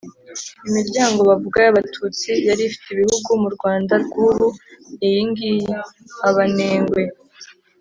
imiryango bavuga yabatutsi yari ifite ibihugu mu rwanda rw’ubu, ni iyi ngiyi: abenengwe,